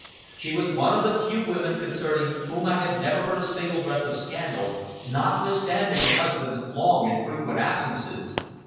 She was one of the few women concerning whom I never heard a single breath of scandal, notwithstanding her husband's long and frequent absences.